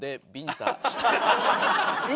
今？